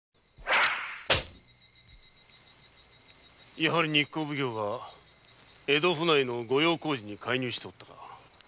やはり日光奉行が江戸府内の御用工事に介入しておったか。